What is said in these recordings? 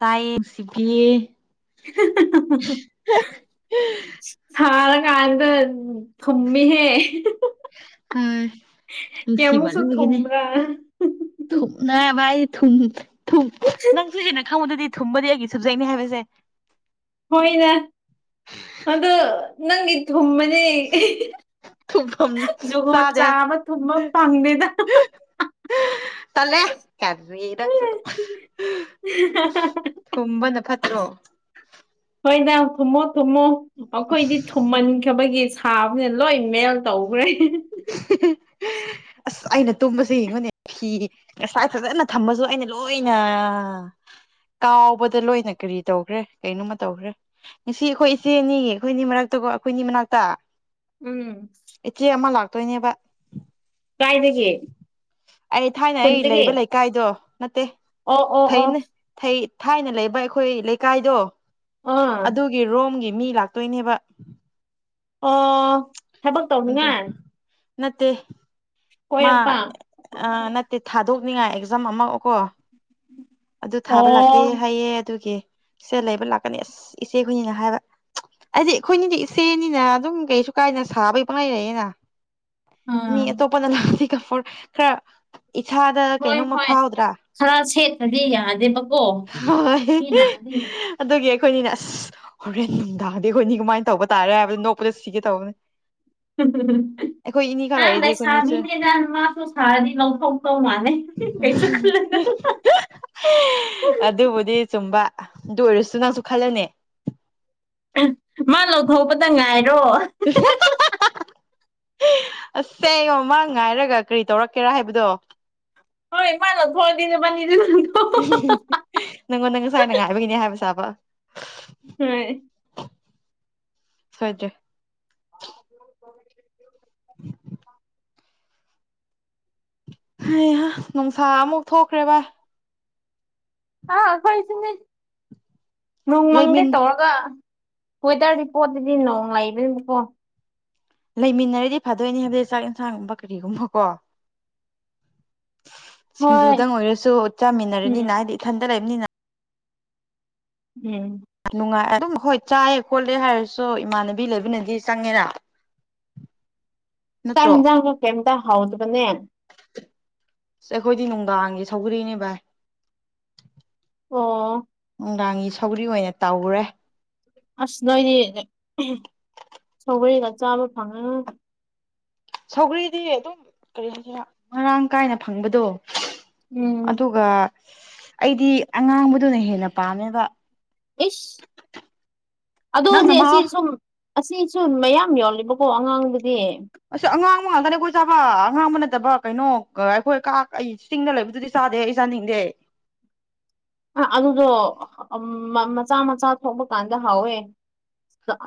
ꯇꯥꯏꯌꯦ ꯅꯨꯡꯁꯤꯕꯤ ꯍꯤ ꯍꯤ ꯍꯤ [unintelligible] ꯁꯔꯥ ꯀꯥꯟꯗ ꯊꯃꯤ ꯍꯦ ꯍꯣꯏ ꯀꯌꯥꯃꯨꯛꯁꯨ ꯊꯨꯝꯕ꯭ꯔꯥ ꯊꯨꯝꯅ ꯚꯥꯏ ꯊꯨꯝ ꯊꯨꯝ ꯅꯪꯁꯨ ꯍꯦꯟꯅ ꯈꯪꯕꯥꯗꯨꯗꯤ ꯊꯨꯝꯕꯗꯤ ꯑꯩꯒꯤ ꯁꯕꯖꯦꯛꯅꯤ ꯍꯥꯏꯕꯁꯦ ꯍꯣꯏꯗꯥ ꯑꯗꯣ ꯅꯪꯒꯤ ꯊꯨꯝꯕꯅꯦ ꯊꯨꯝꯐꯝ ꯖꯨꯒꯣꯠ ꯆꯥꯗꯦ ꯆꯥꯕ ꯊꯨꯝꯕ ꯐꯪꯗꯦꯗ ꯇꯂꯦ ꯀꯖꯤꯔ ꯅꯪꯁꯨ ꯍꯥ ꯍꯥ ꯍꯥ [unintelligible] ꯊꯨꯝꯕꯅ ꯐꯠꯇ꯭ꯔꯣ ꯍꯣꯏꯗ ꯊꯨꯃꯣ ꯊꯨꯃꯣ ꯑꯈꯣꯏꯗꯤ ꯈꯨꯝꯃꯟꯈꯤꯕꯒꯤ ꯁꯥꯕꯅꯦ ꯂꯣꯏ ꯃꯦꯜ ꯇꯧꯈ꯭ꯔꯦ ꯑꯁ ꯑꯩꯅ ꯇꯨꯝꯕꯁꯦ ꯌꯦꯡꯉꯣꯅꯦ ꯐꯤ ꯉꯁꯥꯏ ꯐꯖꯅ ꯊꯝꯕꯁꯨ ꯑꯩꯅ ꯂꯣꯏꯅ ꯀꯥꯎꯕꯗ ꯂꯣꯏꯅ ꯀꯔꯤ ꯇꯧꯈ꯭ꯔꯦ ꯀꯅꯣꯃ ꯇꯧꯈ꯭ꯔꯦ ꯉꯁꯤ ꯑꯩꯈꯣꯏ ꯏꯆꯦ ꯑꯥꯅꯤꯒꯤ ꯑꯩꯈꯣꯏꯅꯤ ꯃꯔꯛꯇꯀꯣ ꯑꯩꯈꯣꯏꯅꯤ ꯃꯅꯥꯛꯇ ꯎꯝ ꯏꯆꯦ ꯑꯃ ꯂꯥꯛꯇꯣꯏꯅꯦꯕ ꯀꯥꯏꯗꯒꯤ ꯑꯩ ꯊꯥꯏꯅ ꯑꯩ ꯈꯨꯟꯗꯒꯤ ꯂꯩꯕ ꯂꯩ ꯀꯥꯏꯗꯣ ꯅꯠꯇꯦ ꯑꯣ ꯑꯣ ꯑꯣ ꯊꯩꯅꯦ ꯊꯥꯏꯅ ꯂꯩꯕ ꯑꯩꯈꯣꯏ ꯂꯩꯀꯥꯏꯗꯣ ꯑꯥ ꯑꯗꯨꯒꯤ ꯔꯣꯝꯒꯤ ꯃꯤ ꯂꯥꯛꯇꯣꯏꯅꯦꯕ ꯑꯣ ꯊꯕꯛ ꯑꯗꯨ ꯇꯧꯅꯤꯡꯉꯥꯏ ꯅꯠꯇꯦ ꯃꯥ ꯀꯣꯏꯔꯛꯄ ꯅꯠꯇꯦ ꯊꯥꯗꯣꯛꯅꯤꯡꯉꯥꯏ ꯑꯦꯛꯖꯥꯝ ꯑꯃꯀꯣ ꯑꯗꯨ ꯊꯥꯕ ꯑꯣ ꯂꯥꯛꯀꯦ ꯍꯥꯏꯌꯦ ꯑꯗꯨꯒꯤ ꯁꯦ ꯂꯩꯕ ꯂꯥꯛꯀꯅꯤ ꯑꯁ ꯏꯆꯦ ꯍꯣꯏꯅꯤꯅ ꯍꯥꯏꯕ ꯍꯥꯏꯗꯤ ꯑꯩꯈꯣꯏꯅꯤꯗꯤ ꯏꯆꯦꯅꯤꯅ ꯑꯗꯨꯝ ꯀꯩꯁꯨ ꯀꯥꯏꯅ ꯁꯥꯕꯩ ꯄꯪꯂꯩ ꯂꯩꯑꯦꯅ ꯃꯤ ꯑꯥ ꯑꯇꯣꯞꯄꯅ ꯂꯥꯛꯒ ꯈꯔ ꯏꯁꯥꯗ ꯍꯣꯏ ꯀꯩꯅꯣꯝꯃ ꯍꯣꯏ ꯐꯥꯎꯗ꯭ꯔꯥ ꯈꯔ ꯁꯦꯠꯄꯗꯤ ꯌꯥꯗꯦꯕꯀꯣ ꯍꯣꯏ ꯃꯤ ꯂꯥꯛꯑꯗꯤ ꯑꯗꯨꯒꯤ ꯑꯩꯈꯣꯏꯅꯤꯅ ꯑꯁ ꯍꯣꯔꯦꯟ ꯅꯨꯡꯗꯥꯡꯗꯤ ꯑꯩꯈꯣꯏꯅꯤ ꯀꯃꯥꯏꯅ ꯇꯧꯕ ꯇꯥꯔꯦ ꯍꯥꯏꯕꯗ ꯅꯣꯛꯄꯗ ꯁꯤꯒꯦ ꯇꯧꯕꯅꯦ ꯑꯩꯈꯣꯏ ꯏꯅꯤ ꯈꯛ ꯑꯥ ꯂꯩꯔꯗꯤ ꯂꯩꯁꯕꯤ ꯑꯩꯈꯣꯏꯅꯤꯁꯨ ꯃꯥꯁꯨ ꯁꯥꯔꯥꯗꯤ ꯂꯧꯊꯣꯛꯇꯧ ꯃꯥꯂꯦ ꯀꯩꯁꯨ ꯈꯟꯂꯨꯅꯨꯗꯥ [unintelligible] ꯑꯗꯨꯕꯨꯗꯤ ꯆꯨꯝꯕ ꯑꯗꯨ ꯑꯣꯏꯔꯁꯨ ꯅꯪꯁꯨ ꯈꯜꯂꯣꯅꯦ ꯃꯥꯅ ꯂꯧꯊꯣꯛꯄꯗ ꯉꯥꯏꯔꯣ [unintelligible] ꯑꯁꯦꯡꯕ ꯃꯥ ꯉꯥꯏꯔꯒ ꯀꯔꯤ ꯇꯧꯔꯛꯀꯦꯔꯥ ꯍꯥꯏꯕꯗꯣ ꯍꯣꯏ ꯃꯥꯅ ꯂꯧꯊꯣꯛꯑꯗꯤ ꯅꯕꯥꯅꯤꯗꯣ [unintelligible] ꯅꯪꯉꯣꯟꯗ ꯉꯁꯥꯏꯅ ꯉꯥꯏꯕꯒꯤꯅꯦ ꯍꯥꯏꯕꯁꯥꯕ ꯍꯣꯏ ꯁꯣꯏꯗ꯭ꯔꯦ [unintelligible] [inaudible] ꯍꯩ ꯍꯥ ꯅꯨꯡꯁꯥ ꯑꯃꯨꯛ ꯊꯣꯛꯈ꯭ꯔꯦ ꯚꯥꯏ ꯑꯥ ꯑꯈꯣꯏꯁꯨꯅꯤ ꯅꯣꯡ ꯃꯪꯒꯦ ꯂꯩꯃꯤꯟ ꯇꯧꯔꯒ ꯋꯦꯗꯔ ꯔꯤꯄꯣꯠꯇꯗꯤ ꯅꯣꯡ ꯂꯩꯕꯅꯤꯕꯀꯣ ꯂꯩꯃꯤꯟꯅꯔꯗꯤ ꯐꯥꯗꯣꯏꯅꯤ ꯍꯥꯏꯕꯗꯤ ꯆꯥꯛ ꯌꯦꯟꯁꯥꯡꯒꯨꯝꯕ ꯀꯔꯤꯒꯨꯝꯕ ꯀꯣ ꯍꯣꯏ ꯁꯤꯡꯖꯨꯗꯪ ꯑꯣꯏꯔꯁꯨ ꯎꯝ ꯆꯥꯃꯤꯟꯅꯔꯅꯤꯅ ꯍꯥꯏꯗꯤ ꯏꯊꯟꯇ ꯂꯩꯕꯅꯤꯅ ꯎꯝ ꯅꯨꯡꯉꯥꯏ ꯑꯗꯨꯝ ꯍꯣꯏ ꯆꯥꯏꯑꯦ ꯈꯣꯠꯂꯦ ꯍꯥꯏꯔꯁꯨ ꯏꯃꯥꯟꯅꯕꯤ ꯂꯩꯕꯅꯗꯤ ꯆꯪꯉꯦꯔ [inaudible] ꯆꯥꯛ ꯍꯤꯟꯖꯥꯡꯗꯣ ꯀꯩꯏꯝꯇ ꯍꯥꯎꯇꯕꯅꯦ ꯑꯩꯈꯣꯏꯗꯤ ꯅꯨꯡꯗꯥꯡꯒꯤ ꯁꯧꯒ꯭ꯔꯤꯅꯦ ꯚꯥꯏ ꯑꯣ ꯅꯨꯡꯗꯥꯡꯒꯤ ꯁꯧꯒ꯭ꯔꯤ ꯑꯣꯏꯅ ꯇꯧꯔꯦ ꯑꯁ ꯅꯣꯏꯅꯤ ꯀꯩ [unintelligible] ꯅꯆꯥ ꯑꯃ ꯐꯪꯉ ꯁꯧꯒ꯭ꯔꯤꯗꯤ ꯑꯗꯨꯝ ꯀꯔꯤ ꯍꯥꯏꯁꯤꯔꯥ ꯃꯔꯥꯡ ꯀꯥꯏꯅ ꯐꯪꯕꯗꯣ ꯎꯝ ꯑꯗꯨꯒ ꯑꯩꯗꯤ ꯑꯉꯥꯡꯕꯗꯨꯅ ꯍꯦꯟꯅ ꯄꯥꯝꯃꯦꯕ ꯏꯁ ꯑꯗꯨ ꯅꯪꯅ ꯑꯣꯏꯗꯤ ꯃꯍꯥꯎ ꯑꯁꯤ ꯁꯨꯝ ꯑꯁꯤꯁꯨ ꯃꯌꯥꯝ ꯌꯣꯜꯂꯤꯕꯀꯣ ꯑꯉꯥꯡꯕꯗꯤ ꯑꯁ ꯑꯉꯥꯡꯕ ꯉꯥꯛꯇꯅꯦ ꯑꯩꯈꯣꯏ ꯆꯥꯕ ꯑꯉꯥꯡꯕ ꯅꯠꯇꯕ ꯀꯩꯅꯣ ꯀ ꯑꯩꯈꯣꯏ ꯀꯥꯛ ꯑꯩꯁ ꯆꯤꯡꯗ ꯂꯩꯕꯗꯨꯗꯤ ꯆꯥꯗꯦ ꯑꯩ ꯆꯥꯅꯤꯡꯗꯦ ꯑꯂꯨꯗꯣ ꯑꯝ ꯃꯥ ꯃꯆꯥ ꯃꯆꯥ ꯊꯣꯛꯄ ꯀꯥꯟꯗ ꯍꯥꯎꯋꯦ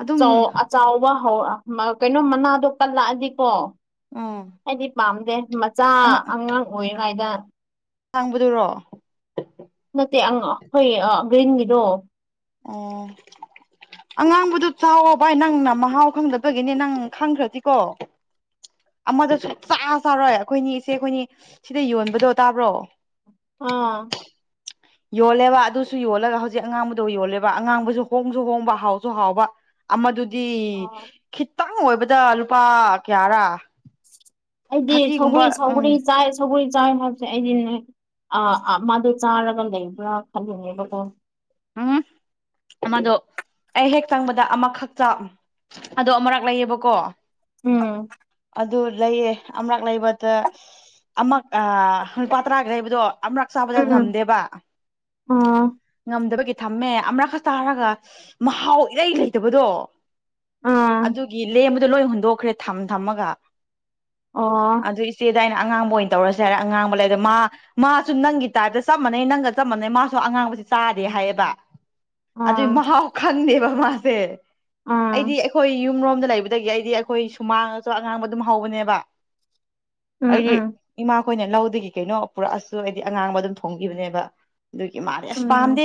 ꯑꯗꯨꯝ ꯑꯆꯥꯎꯕ ꯍꯧ ꯃ ꯀꯩꯅꯣ ꯃꯅꯥꯗꯣ ꯀꯜꯂꯛꯑꯗꯤꯀꯣ ꯎꯝ ꯑꯩꯗꯤ ꯄꯥꯝꯗꯦ ꯃꯆꯥ ꯑꯉꯥꯡ ꯑꯣꯏꯔꯤꯉꯥꯏꯗ ꯍꯥꯡꯕꯗꯨꯔꯣ ꯅꯠꯇꯦ ꯑꯪ ꯑꯈꯣꯏ ꯑ ꯒ꯭ꯔꯤꯟꯒꯤꯗꯣ ꯑꯥ ꯑꯉꯥꯡꯕꯗꯨ ꯆꯥꯎꯋꯣ ꯚꯥꯏ ꯅꯪꯅ ꯃꯍꯥꯎ ꯈꯪꯗꯕꯒꯤꯅꯦ ꯅꯪ ꯈꯥꯡꯈ꯭ꯔꯗꯤꯀꯣ ꯑꯃꯗꯣ ꯁꯨꯡ ꯆꯥ ꯆꯥꯔꯣꯏ ꯑꯩꯈꯣꯏꯅꯤ ꯏꯆꯦ ꯑꯩꯈꯣꯏꯅꯤ ꯁꯤꯗ ꯌꯣꯟꯕꯗꯣ ꯇꯥꯕ꯭ꯔꯣ ꯑꯥ ꯌꯣꯜꯂꯦꯕ ꯑꯗꯨꯁꯨ ꯌꯣꯜꯂꯒ ꯍꯧꯖꯤꯛ ꯑꯉꯥꯡꯕꯗꯣ ꯌꯣꯜꯂꯦꯕ ꯑꯉꯥꯡꯕꯁꯨ ꯍꯣꯡꯁꯨ ꯍꯣꯡꯕ ꯍꯥꯎꯁꯨ ꯍꯥꯎꯕ ꯑꯃꯗꯨꯗꯤ ꯑꯥ ꯈꯤꯇꯪ ꯑꯣꯏꯕꯗ ꯂꯨꯄꯥ ꯀꯌꯥꯔꯥ ꯑꯩꯗꯤ ꯊꯥꯔꯇꯤꯒꯨꯝꯕ ꯁꯧꯒ꯭ꯔꯤ ꯎꯝ ꯁꯧꯒ꯭ꯔꯤ ꯆꯥꯏ ꯁꯒ꯭ꯔꯤ ꯆꯥꯏ ꯍꯥꯏꯕꯁꯦ ꯑꯩꯗꯤꯅꯦ ꯑꯥ ꯑꯥ ꯃꯥꯗꯣ ꯆꯥꯔꯒ ꯂꯩꯕ꯭ꯔꯥ ꯈꯟꯂꯤꯅꯦꯕꯀꯣ ꯎꯝ ꯑꯃꯗꯣ ꯑꯩ ꯍꯦꯛ ꯆꯪꯕꯗ ꯑꯃꯈꯛꯇ ꯑꯗꯣ ꯑꯃꯔꯛ ꯂꯩꯌꯦꯕꯀꯣ ꯎꯝ ꯑꯗꯨ ꯂꯩꯌꯦ ꯑꯃꯔꯛ ꯂꯩꯕꯗ ꯑꯃꯛ ꯑꯥ ꯂꯨꯄꯥ ꯇꯔꯥꯒ ꯂꯩꯕꯗꯣ ꯑꯃꯔꯛ ꯆꯥꯕꯗ ꯉꯝꯗꯦꯕ ꯎꯝ ꯉꯝꯗꯕꯒꯤ ꯊꯝꯃꯦ ꯑꯃꯔꯛ ꯈꯛ ꯆꯥꯔꯒ ꯃꯍꯥꯎ ꯏꯔꯩ ꯂꯩꯇꯕꯗꯣ ꯑꯥ ꯑꯗꯨꯒꯤ ꯂꯦꯝꯕꯗꯣ ꯂꯣꯏ ꯍꯨꯟꯗꯣꯛꯈ꯭ꯔꯦ ꯊꯝ ꯊꯝꯃꯒ ꯑꯣ ꯑꯗꯨ ꯏꯆꯦꯗ ꯑꯩꯅ ꯑꯉꯥꯡꯕ ꯑꯣꯏꯅ ꯇꯧꯔꯁꯦ ꯍꯥꯏꯔ ꯑꯉꯥꯡꯕ ꯂꯩꯔ ꯃꯥ ꯃꯥꯁꯨ ꯅꯪꯒꯤ ꯇꯥꯏꯞꯇ ꯆꯞ ꯃꯅꯩ ꯅꯪꯒ ꯆꯞ ꯃꯅꯩ ꯃꯥꯁꯨ ꯑꯉꯥꯡꯕꯁꯦ ꯆꯥꯗꯦ ꯍꯥꯏꯌꯦꯕ ꯑꯗꯨꯏ ꯑꯥ ꯃꯍꯥꯎ ꯈꯪꯗꯦꯕ ꯃꯥꯁꯦ ꯑꯥ ꯑꯩꯗꯤ ꯑꯩꯈꯣꯏ ꯌꯨꯝꯔꯣꯝꯗ ꯂꯩꯕꯗꯒꯤ ꯑꯩꯗꯤ ꯈꯣꯏ ꯁꯨꯃꯥꯡꯗꯁꯨ ꯑꯉꯥꯡꯕ ꯑꯗꯨꯝ ꯍꯧꯕꯅꯦꯕ ꯎꯝ ꯑꯩꯒꯤ ꯎꯝ ꯏꯃꯥꯈꯣꯏꯅ ꯂꯧꯗꯒꯤ ꯀꯩꯅꯣ ꯄꯨꯔꯛꯑꯁꯨ ꯑꯩꯗꯤ ꯑꯉꯥꯡꯕ ꯑꯗꯨꯝ ꯊꯣꯡꯕꯤꯕꯅꯦꯕ ꯑꯗꯨꯒꯤ ꯃꯥꯗꯤ ꯑꯁ ꯎꯝ ꯄꯥꯝꯗꯦ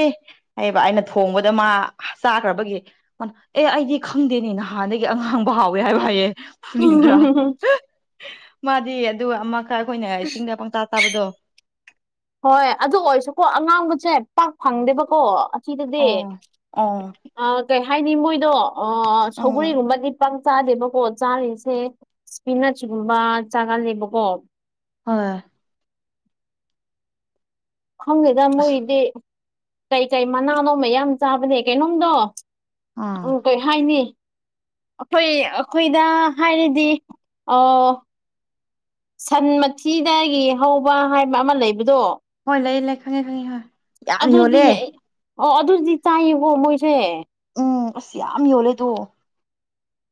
ꯍꯥꯏꯌꯦꯕ ꯑꯩꯅ ꯊꯣꯡꯕꯗ ꯃꯥ ꯆꯥꯈ꯭ꯔꯕꯒꯤ ꯃꯅ ꯑꯦ ꯑꯩꯗꯤ ꯈꯪꯗꯦꯅꯦ ꯅꯍꯥꯟꯗꯒꯤ ꯑꯉꯥꯡꯕ ꯍꯥꯎꯋꯦ ꯍꯥꯏꯕ ꯍꯥꯏꯌꯦ ꯐꯨꯅꯤꯡꯗ꯭ꯔꯥ ꯃꯥꯗꯤ ꯑꯗꯨ ꯑꯃꯈꯛ ꯑꯩꯈꯣꯏꯅ ꯆꯤꯡꯗ ꯄꯪꯆꯥ ꯆꯥꯕꯗꯣ ꯍꯣꯏ ꯑꯗꯨ ꯑꯣꯏꯔꯁꯨꯀꯣ ꯑꯉꯥꯡꯕꯁꯦ ꯄꯥꯛ ꯐꯪꯗꯦꯕꯀꯣ ꯑꯁꯤꯗꯗꯤ ꯑꯣ ꯑꯣ ꯑꯥ ꯀꯩ ꯍꯥꯏꯅꯤ ꯃꯣꯏꯗꯣ ꯑ ꯎꯝ ꯁꯒꯔꯤꯒꯨꯝꯕꯗꯤ ꯄꯥꯡ ꯆꯥꯗꯦꯕꯀꯣ ꯆꯥꯔꯤꯁꯦ ꯏꯁꯄꯤꯅꯁꯒꯨꯝꯕ ꯆꯥꯒꯜꯂꯦꯕꯀꯣ ꯍꯣꯏ ꯈꯪꯗꯦꯗ ꯃꯣꯏꯒꯤꯗꯤ ꯀꯩꯀꯩ ꯃꯅꯥꯅꯣ ꯃꯌꯥꯝ ꯆꯥꯕꯅꯦ ꯀꯩꯅꯣꯝꯗꯣ ꯑꯥ ꯎꯝ ꯀꯩ ꯍꯥꯏꯅꯤ ꯑꯈꯣꯏ ꯑꯈꯣꯏꯗ ꯍꯥꯏꯔꯗꯤ ꯑꯣ ꯁꯟ ꯃꯊꯤꯗꯒꯤ ꯍꯧꯕ ꯍꯥꯏꯕ ꯑꯃ ꯂꯩꯕꯗꯣ ꯍꯣꯏ ꯂꯩꯌꯦ ꯂꯩ ꯈꯪꯉꯦ ꯈꯪꯉꯦ ꯍꯣꯏ ꯌꯥꯝ ꯑꯗꯨꯗꯤ ꯌꯣꯜꯂꯦ ꯑꯣ ꯑꯗꯨꯗꯤ ꯆꯥꯏꯌꯦꯕꯣ ꯃꯣꯏꯁꯦ ꯎꯝ ꯑꯁ ꯌꯥꯝ ꯌꯣꯜꯂꯦꯗꯣ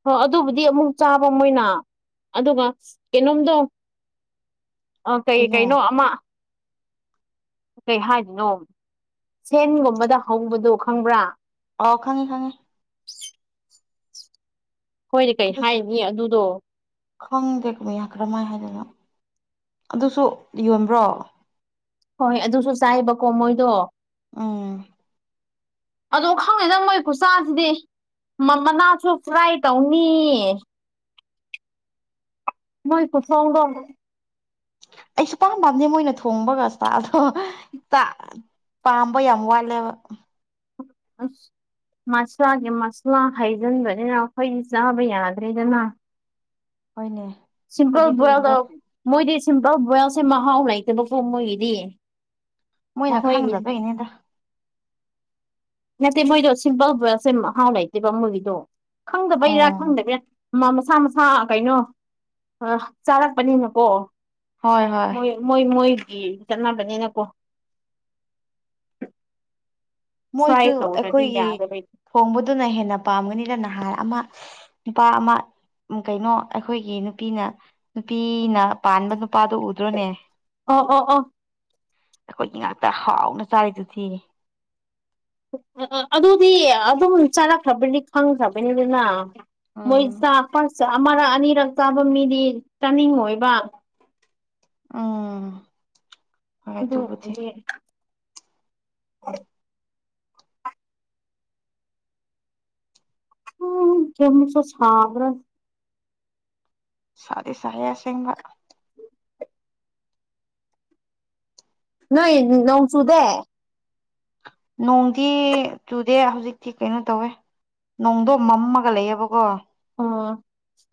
ꯍꯣ ꯑꯗꯨꯕꯨꯗꯤ ꯑꯃꯨꯛ ꯆꯥꯕ ꯃꯣꯏꯅ ꯑꯗꯨꯒ ꯀꯩꯅꯣꯝꯗꯣ ꯑ ꯀꯩ ꯀꯩꯅꯣ ꯑꯃ ꯀꯩ ꯍꯥꯏꯗꯣꯏꯅꯣ ꯁꯦꯟꯒꯨꯝꯕꯗ ꯍꯧꯕꯗꯣ ꯈꯪꯕ꯭ꯔꯥ ꯑꯣ ꯈꯪꯉꯦ ꯈꯪꯉꯦ ꯈꯣꯏꯗꯤ ꯀꯩ ꯑꯗꯨꯁꯨ ꯍꯥꯏꯅꯤ ꯑꯗꯨꯗꯣ ꯈꯪꯗꯦ ꯀꯃꯤꯌꯥ ꯀꯔꯃꯥꯏ ꯍꯥꯏꯗꯣꯏꯅꯣ ꯑꯗꯨꯁꯨ ꯌꯣꯟꯕ꯭ꯔꯣ ꯍꯣꯏ ꯑꯗꯨꯁꯨ ꯆꯥꯏꯌꯦꯕꯀꯣ ꯃꯣꯏꯗꯣ ꯎꯝ ꯑꯗꯣ ꯈꯪꯗꯦꯗ ꯃꯣꯏꯀꯆꯥꯁꯤꯗꯤ ꯃꯅꯥꯁꯨ ꯐ꯭ꯔꯥꯏ ꯇꯧꯅꯤ [inaudible] ꯃꯣꯏ ꯈꯨꯊꯣꯡꯗꯣ ꯑꯩ ꯁꯨꯄꯥꯝ ꯄꯥꯝꯗꯦ ꯃꯣꯏꯅ ꯊꯣꯡꯕꯒ ꯆꯥꯗꯣ ꯆꯥ ꯄꯥꯝꯕ ꯌꯥꯝ ꯋꯥꯠꯂꯦꯕ ꯑꯁ ꯃꯁꯂꯥꯒꯤ ꯃꯁꯂꯥ ꯍꯩꯖꯤꯟꯕꯅꯤꯅ ꯑꯈꯣꯏꯗꯤ ꯆꯥꯕ ꯌꯥꯗ꯭ꯔꯦꯗꯅ ꯍꯣꯏꯅꯦ ꯁꯤꯝꯄꯜ ꯑꯩꯈꯣꯏꯗꯤ ꯕꯣꯏꯌꯦꯜꯗ ꯑꯗꯨꯒꯨꯝꯕ ꯃꯣꯏꯗꯤ ꯁꯤꯝꯄꯜ ꯕꯣꯏꯌꯦꯜꯁꯦ ꯃꯍꯥꯎ ꯂꯩꯇꯕꯀꯣ ꯃꯣꯏꯒꯤꯗꯤ ꯃꯣꯏꯅ ꯑꯩꯈꯣꯏꯒꯤꯗꯤ ꯈꯪꯗꯕꯩꯅꯦꯗ ꯅꯠꯇꯦ ꯃꯣꯏꯗꯣ ꯁꯤꯝꯄꯜ ꯕꯣꯏꯁꯦ ꯃꯍꯥꯎ ꯂꯩꯇꯦꯕ ꯃꯣꯏꯒꯤꯗꯣ ꯈꯪꯗꯕꯩꯔꯥ ꯑꯣ ꯈꯪꯗꯕꯩꯔ ꯃꯁꯥ ꯃꯁꯥ ꯍꯥ ꯀꯩꯅꯣ ꯆꯥꯔꯛꯄꯅꯤꯅꯀꯣ ꯍꯣꯏ ꯍꯣꯏ ꯃꯣꯏ ꯃꯣꯏ ꯃꯣꯏꯗꯤ ꯆꯠꯅꯕꯅꯤꯅꯀꯣ ꯐ꯭ꯔꯥꯏ ꯃꯣꯏꯁꯨ ꯇꯧꯗ꯭ꯔꯗꯤ ꯑꯩꯈꯣꯏꯒꯤ ꯌꯥꯗꯕꯩ ꯊꯣꯡꯕꯗꯨꯅ ꯍꯦꯟꯅ ꯄꯥꯝꯒꯅꯤꯅ ꯅꯍꯥꯥꯟ ꯑꯃ ꯅꯨꯄꯥ ꯑꯃꯥ ꯎ ꯀꯩꯅꯣ ꯑꯩꯈꯣꯏꯒꯤ ꯅꯨꯄꯤꯅ ꯅꯨꯄꯤꯅ ꯄꯥꯟꯕ ꯅꯨꯄꯥꯗꯨ ꯎꯗ꯭ꯔꯣꯅꯦ ꯑꯣ ꯑꯣ ꯑꯣ ꯑꯩꯈꯣꯏꯒꯤ ꯉꯥꯛꯇ ꯍꯥꯎꯅ ꯆꯥꯔꯤꯗꯨꯗꯤ ꯑꯗꯨꯗꯤ ꯑꯗꯨꯝ ꯆꯥꯔꯛꯈ꯭ꯔꯕꯅꯤ ꯈꯪꯈ꯭ꯔꯕꯅꯤꯗꯅ ꯃꯣꯏ ꯎꯝ ꯆꯥ ꯑꯃꯔꯛ ꯑꯅꯤꯔꯛ ꯆꯥꯕ ꯃꯤꯗꯤ ꯆꯥꯅꯤꯡꯉꯣꯏꯕ ꯎꯝ ꯍꯣꯏ ꯑꯗꯨꯗ ꯑꯗꯨꯕꯨꯗꯤ [unintelligible] ꯎꯝ ꯀꯌꯥꯝꯃꯨꯛꯁꯨ ꯁꯥꯕ꯭ꯔ ꯁꯥꯗꯤ ꯁꯥꯏꯍꯦ ꯑꯁꯦꯡꯕ ꯅꯣꯏ ꯅꯣꯡ ꯁꯨꯨꯗꯣ ꯅꯣꯡꯗꯤ ꯆꯨꯗꯦ ꯍꯧꯖꯤꯛꯇꯤ ꯀꯩꯅꯣ ꯇꯧꯋꯦ ꯅꯣꯡꯗꯣ ꯃꯝꯃꯒ ꯂꯩꯌꯦꯕꯀꯣ ꯑꯣ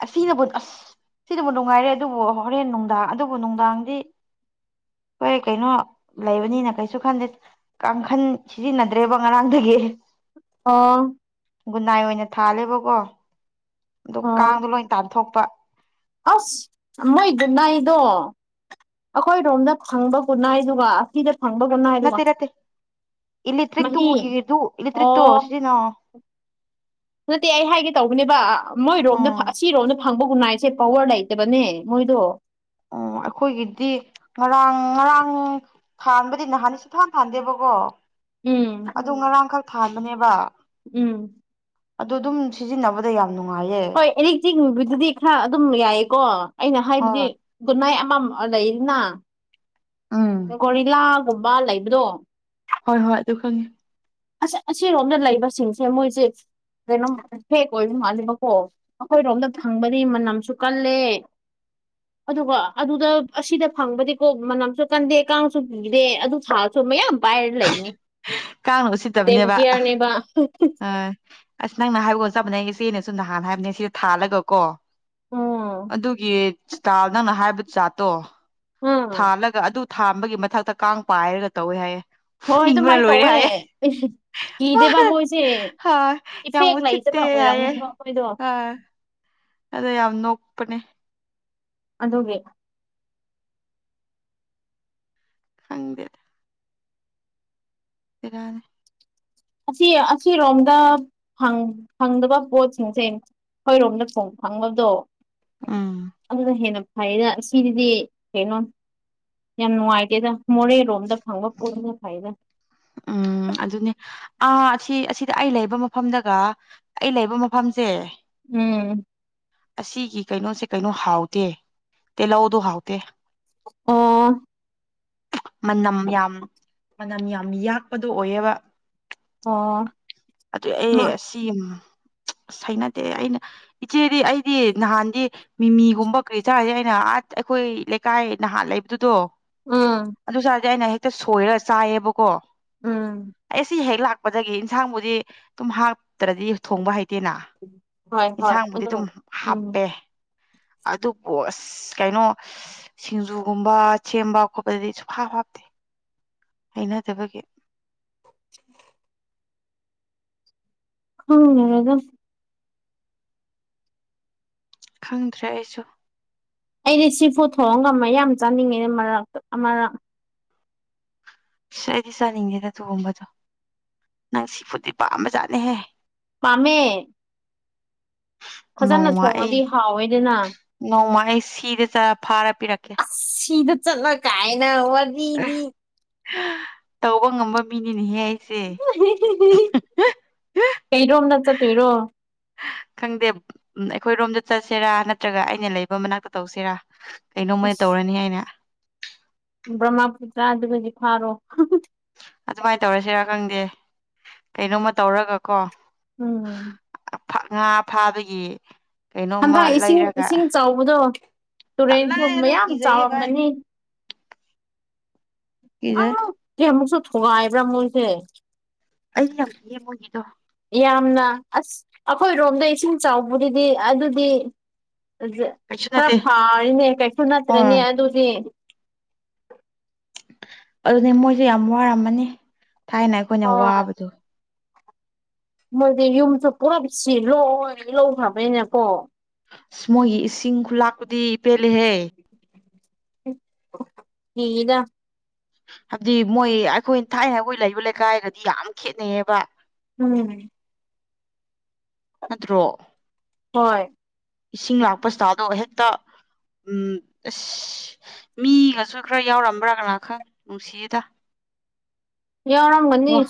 ꯑꯁꯤꯅꯕꯨ ꯑꯁ ꯁꯤꯅꯕꯨ ꯅꯨꯉꯥꯏꯍꯦ ꯑꯗꯨꯕꯨ ꯍꯣꯔꯦꯟ ꯅꯨꯡꯗꯥꯡ ꯑꯗꯨꯕꯨ ꯅꯨꯡꯗꯥꯡꯗꯤ ꯍꯣꯏ ꯀꯩꯅꯣ ꯂꯩꯕꯅꯤꯅ ꯀꯩꯁꯨ ꯈꯟꯗꯦ ꯀꯥꯡꯈꯟ ꯁꯤꯖꯤꯟꯅꯗ꯭ꯔꯦꯕ ꯉꯔꯥꯡꯗꯒꯤ ꯑꯣ ꯒꯨꯟꯅꯥꯏ ꯑꯣꯏꯅ ꯊꯥꯂꯦꯕꯀꯣ ꯑꯗꯨ ꯑꯣ ꯀꯥꯡꯗꯣ ꯂꯣꯏ ꯇꯥꯟꯊꯣꯛꯄ ꯑꯁ ꯃꯣꯏ ꯒꯨꯅꯥꯏꯗꯣ ꯑꯩꯈꯣꯏꯔꯣꯝꯗ ꯐꯪꯕ ꯒꯨꯅꯥꯏꯗꯨꯒ ꯑꯁꯤꯗ ꯐꯪꯕ ꯒꯨꯅꯥꯏ ꯗꯨꯒ ꯅꯠꯇꯦ ꯅꯠꯇꯦ ꯃꯍꯤ ꯏꯂꯦꯛꯇ꯭ꯔꯤꯛꯇꯨꯒꯤꯗꯨ ꯏꯂꯦꯛꯇ꯭ꯔꯤꯛꯇꯣ ꯑꯣ ꯁꯤꯖꯤꯟꯅꯧ ꯅꯠꯇꯦ ꯑꯩ ꯍꯥꯏꯒꯦ ꯇꯧꯕꯅꯦꯕ ꯎꯝ ꯃꯣꯏꯔꯣꯝꯗ ꯑꯁꯤꯔꯣꯝꯗ ꯐꯪꯕ ꯒꯨꯅꯥꯏꯁꯦ ꯄꯋꯥꯔ ꯂꯩꯇꯕꯅꯦ ꯃꯣꯏꯗꯣ ꯑꯣ ꯑꯩꯈꯣꯏꯒꯤꯗꯤ ꯉꯔꯥꯡ ꯉꯔꯥꯡ ꯊꯥꯟꯕꯗꯤ ꯅꯍꯥꯟ ꯁꯨꯊꯥꯟ ꯊꯥꯟꯗꯦꯕꯀꯣ ꯎꯝ ꯑꯗꯨ ꯉꯔꯥꯡꯈꯛ ꯊꯥꯕꯅꯦꯕ ꯎꯝ ꯑꯗꯨ ꯑꯗꯨꯝ ꯁꯤꯖꯤꯟꯅꯕꯗ ꯌꯥꯝ ꯅꯨꯡꯉꯥꯏꯌꯦ ꯍꯣꯏ ꯑꯦꯔꯤꯛ ꯆꯤꯡꯕꯗꯨꯗꯤ ꯈꯔ ꯑꯗꯨꯝ ꯌꯥꯏꯀꯣ ꯑꯩꯅ ꯍꯥꯏꯕꯗꯤ ꯑꯣ ꯒꯨꯅꯥꯏ ꯑꯃ ꯂꯩꯔꯤꯅ ꯎꯝ ꯒꯣꯔꯤꯂꯥꯒꯨꯝꯕ ꯂꯩꯕꯗꯣ ꯍꯣꯏ ꯍꯣꯏ ꯑꯗꯨ ꯈꯪꯉꯦ ꯑꯁꯤꯔꯣꯝꯅ ꯂꯩꯕꯁꯤꯡꯁꯦ ꯃꯣꯏꯁꯦ ꯩꯀꯩꯅꯣ ꯐꯦꯛ ꯑꯣꯏꯕ ꯃꯥꯜꯂꯦꯕꯀꯣ ꯑꯩꯈꯣꯏꯔꯣꯝꯗ ꯐꯪꯕꯗꯤ ꯃꯅꯝꯁꯨ ꯀꯜꯂꯦ ꯑꯗꯨꯒ ꯑꯗꯨꯗ ꯑꯁꯤꯗ ꯐꯪꯕꯗꯤꯀꯣ ꯃꯅꯝꯁꯨ ꯀꯟꯗꯦ ꯀꯥꯡꯁꯨ ꯀꯤꯗꯦ ꯑꯗꯨ ꯁꯥꯔꯁꯨ ꯃꯌꯥꯝ ꯄꯥꯏꯔ ꯂꯩꯅꯤ ꯀꯥꯡꯅ ꯗꯦꯝ ꯎꯁꯤꯠꯇꯕꯅꯦꯕ ꯀꯤꯌꯔꯅꯦꯕ ꯑ ꯑꯁ ꯅꯪꯅ ꯍꯥꯏꯕꯒ ꯆꯞ ꯃꯥꯟꯅꯩ ꯏꯆꯦꯅ ꯁ ꯅꯍꯥꯟ ꯍꯥꯏꯕꯅꯦ ꯁꯤꯗ ꯊꯥꯜꯂꯒ ꯀꯣ ꯎꯝ ꯑꯗꯨꯒꯤ ꯁ꯭ꯇꯥꯏꯜ ꯅꯪꯅ ꯍꯥꯏꯕ ꯖꯥꯠꯇꯣ ꯎꯝ ꯊꯥꯜꯂꯒ ꯑꯗꯨ ꯊꯥꯜꯕꯒꯤ ꯃꯊꯛꯇ ꯀꯥꯡ ꯄꯥꯏꯔꯒ ꯇꯧꯋꯦ ꯍꯥꯏꯌꯦ ꯍꯣꯏ ꯐꯨꯅꯤꯡꯕꯅ ꯑꯗꯨꯃꯥꯏꯅ ꯂꯣꯏꯔꯦ ꯇꯧꯋꯦ ꯍꯥꯏꯌꯦ ꯑꯩꯁ ꯀꯤꯗꯦꯕ ꯃꯣꯏꯁꯦ ꯍꯣꯏ ꯌꯥꯝ ꯏꯐꯦꯛ ꯎꯁꯤꯠꯇꯦ ꯂꯩꯇꯕ ꯍꯥꯏꯌꯦ ꯑꯣꯏꯔꯝꯅꯦꯕ ꯃꯣꯏꯗꯣ ꯑ ꯑꯗꯣ ꯌꯥꯝ ꯅꯣꯛꯄꯅꯦ ꯑꯗꯨꯒꯤ ꯍꯪꯒꯦ ꯕꯦꯔꯥꯅꯤ ꯑꯁꯤ ꯑꯁꯤꯔꯣꯝꯗ ꯐꯪ ꯐꯪꯗꯕ ꯄꯣꯠꯁꯤꯡꯁꯦ ꯑꯩꯈꯣꯏꯔꯣꯝꯗ ꯐꯣꯡ ꯐꯪꯕꯗꯣ ꯎꯝ ꯑꯗꯨꯅ ꯍꯦꯟꯅ ꯐꯩꯗ ꯁꯤꯗꯗꯤ ꯀꯩꯅꯣ ꯌꯥꯝ ꯅꯨꯡꯉꯥꯏꯇꯦꯗ ꯃꯣꯔꯦꯔꯣꯝꯗ ꯐꯪꯕ ꯄꯣꯠꯁꯤꯅ ꯐꯩꯗ ꯎꯝ ꯑꯗꯨꯅꯦ ꯑꯥ ꯑꯁꯤ ꯑꯁꯤꯗ ꯑꯩ ꯂꯩꯕ ꯃꯐꯝꯗꯒ ꯑꯩ ꯂꯩꯕ ꯃꯐꯝꯖꯦ ꯎꯝ ꯑꯁꯤꯒꯤ ꯀꯩꯅꯣꯁꯦ ꯀꯩꯅꯣ ꯍꯥꯎꯇꯦ ꯇꯤꯜꯍꯧꯗꯣ ꯍꯥꯎꯇꯦ ꯑꯣ ꯃꯅꯝ ꯌꯥꯝ ꯃꯅꯝ ꯌꯥꯝ ꯌꯥꯛꯄꯗꯣ ꯑꯣꯏꯌꯦꯕ ꯑꯣ ꯑꯗꯨ ꯑꯦ ꯑꯁꯤ ꯑꯁ ꯍꯩꯅꯗꯦ ꯑꯩꯅ ꯏꯆꯦꯗꯤ ꯑꯩꯗꯤ ꯅꯍꯥꯟꯗꯤ ꯃꯤꯃꯤꯒꯨꯝꯕ ꯀꯔꯤ ꯆꯥꯔꯁꯦ ꯑꯩꯅ ꯑꯥ ꯑꯩꯈꯣꯏ ꯂꯩꯀꯥꯏ ꯅꯍꯥꯟ ꯂꯩꯕꯗꯣ ꯎꯝ ꯑꯗꯨ ꯆꯥꯔꯗꯤ ꯑꯩꯅ ꯍꯦꯛꯇ ꯁꯣꯏꯔ ꯆꯥꯏꯌꯦꯕꯀꯣ ꯎꯝ ꯑꯩ ꯁꯤ ꯍꯦꯛ ꯂꯥꯛ ꯄꯗꯒꯤ ꯏꯟꯁꯥꯡꯕꯨꯗꯤ ꯑꯗꯨꯝ ꯍꯥꯞꯇ꯭ꯔꯗꯤ ꯊꯣꯡꯕ ꯍꯩꯇꯦꯅ ꯍꯣꯏ ꯍꯣꯏ ꯏꯟꯁꯥꯡꯕꯨꯗꯤ ꯑꯗꯨꯒ ꯑꯗꯨꯝ ꯎꯝ ꯍꯥꯞꯄꯦ ꯑꯗꯨ ꯀꯣꯁ ꯀꯩꯅꯣ ꯁꯤꯡꯖꯨꯒꯨꯝꯕ ꯁꯦꯝꯕ ꯈꯣꯠꯄꯗꯗꯤ ꯁꯨꯡ ꯍꯥꯞ ꯍꯥꯞꯇꯦ ꯍꯩꯅꯗꯕꯒꯤ [unintelligible] ꯈꯪꯗꯔꯦꯗ ꯈꯪꯗ꯭ꯔꯦ ꯑꯩꯁꯨ ꯑꯩꯗꯤ ꯁꯤꯐꯨꯠ ꯊꯣꯡꯉꯒ ꯃꯌꯥꯝ ꯆꯥꯅꯤꯡꯉꯛꯑꯦ ꯃꯔꯛꯇ ꯑꯃꯔꯛ ꯑꯁ ꯑꯩꯗꯤ ꯆꯥꯅꯤꯡꯗꯦꯗ ꯊꯣꯡꯕꯗꯣ ꯅꯪ ꯁꯤꯐꯨꯠꯇꯤ ꯄꯥꯝꯕꯖꯥꯠꯅꯦꯍꯦ ꯄꯥꯝꯃꯦ ꯐꯖꯅ ꯅꯣꯡꯃ ꯊꯥꯡꯉꯗꯤ ꯑꯩ ꯍꯥꯎꯋꯦ ꯅꯣꯡꯃ ꯑꯩ ꯁꯤꯗ ꯆꯠꯂ ꯐꯥꯔ ꯄꯤꯔꯛꯀꯦ ꯑꯁ ꯁꯤꯗ ꯆꯠꯂ ꯀꯥꯏꯅ ꯋꯥꯔꯤꯗꯤ ꯇꯧꯕ ꯉꯝꯕ ꯃꯤꯅꯤꯅꯦꯍꯦ ꯑꯩꯁꯦ ꯀꯩꯔꯣꯝꯗ ꯆꯠꯇꯣꯏꯔꯣ ꯈꯪꯗꯦ ꯑꯩꯈꯣꯏꯔꯣꯝꯗ ꯆꯠꯁꯤꯔꯥ ꯅꯠꯇ꯭ꯔꯒ ꯑꯩꯅ ꯂꯩꯕ ꯃꯅꯥꯛꯇ ꯇꯧꯁꯤꯔꯥ ꯀꯩꯅꯣꯡꯃ ꯇꯧꯔꯅꯤ ꯑꯩꯅ ꯕ꯭ꯔꯍꯃꯄꯨꯇ꯭ꯔ ꯗꯨꯗꯒꯤ ꯐꯥꯔꯣ ꯑꯗꯨꯃꯥꯏꯅ ꯇꯧꯔꯁꯤꯔꯥ ꯈꯪꯗꯦ ꯀꯩꯅꯣꯃ ꯇꯧꯔꯒꯀꯣ ꯎꯝ ꯑꯥ ꯐꯛ ꯉꯥ ꯐꯥꯕꯒꯤ ꯀꯩꯅꯣꯝꯃ ꯍꯟꯗꯛ ꯏꯁꯤꯡ ꯂꯩꯔꯒ ꯏꯁꯤꯡ ꯆꯥꯎꯕꯗꯣ ꯇꯨꯔꯦꯟ ꯇꯜꯂꯦ ꯊꯨꯝ ꯑꯗꯨꯝ ꯃꯌꯥꯝ ꯀꯤꯖꯩꯌꯦ ꯚꯥꯏ ꯆꯥꯎꯔꯝꯒꯅꯤ ꯀꯤꯖꯩ ꯑꯥ ꯀꯌꯥ ꯑꯃꯨꯛꯁꯨ ꯊꯨꯒꯥꯏꯕ꯭ꯔꯥ ꯃꯣꯏꯁꯦ ꯑꯩ ꯌꯥꯝ ꯀꯤꯌꯦ ꯃꯣꯏꯒꯤꯗꯣ ꯌꯥꯝꯅ ꯑꯁ ꯑꯩꯈꯣꯏꯔꯣꯝꯗ ꯏꯁꯤꯡ ꯆꯥꯎꯕꯗꯨꯗꯤ ꯑꯗꯨꯗꯤ ꯀꯩꯁꯨ ꯈꯔ ꯅꯠꯇꯦ ꯐꯥꯔꯦꯅꯦ ꯀꯩꯁꯨ ꯑ ꯅꯠꯇ꯭ꯔꯅꯦ ꯑꯗꯨꯗꯤ ꯑꯗꯨꯅꯦ ꯃꯣꯏꯖꯦ ꯌꯥꯝ ꯋꯥꯔꯝꯃꯅꯤ ꯊꯥꯏꯅ ꯑꯩꯈꯣꯏꯅ ꯍꯣꯏ ꯋꯥꯕꯗꯣ ꯃꯣꯏꯗꯤ ꯌꯨꯝꯁꯨ ꯄꯨꯔꯞ ꯁꯤꯜꯂꯣꯏ ꯂꯧ ꯂꯧꯒ꯭ꯔꯥꯕꯅꯤꯅꯀꯣ ꯑꯁ ꯃꯣꯏꯒꯤ ꯏꯁꯤꯡ ꯈꯨꯂꯥꯛꯄꯨꯗꯤ ꯄꯦꯜꯂꯦꯍꯦ ꯀꯤꯗ ꯍꯥꯏꯕꯗꯤ ꯃꯣꯏ ꯑꯩꯈꯣꯏ ꯊꯥꯏꯅ ꯑꯩꯈꯣꯏ ꯂꯩꯕ ꯂꯩꯀꯥꯏꯒꯗꯤ ꯌꯥꯝ ꯈꯦꯠꯅꯩꯌꯦꯕ ꯎꯝ ꯅꯠꯇ꯭ꯔꯣ ꯍꯣꯏ ꯏꯁꯤꯡ ꯂꯥꯛꯄ ꯏꯁꯇꯥꯜꯗꯣ ꯍꯦꯛꯇ ꯎꯝ ꯑꯁ ꯃꯤꯒꯁꯨ ꯈꯔ ꯌꯥꯎꯔꯝꯕ꯭ꯔꯥ ꯀꯅꯥꯥ ꯈꯪ ꯅꯨꯡꯁꯤꯌꯦꯗ ꯋꯥ ꯌꯧꯔꯝꯒꯅꯤ